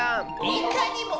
いかにも！